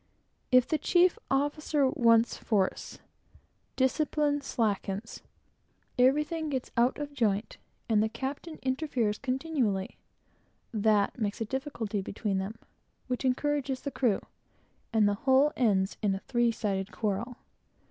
If the chief officer wants force, discipline slackens, everything gets out of joint, the captain interferes continually; that makes a difficulty between them, which encourages the crew, and the whole ends in a three sided quarrel.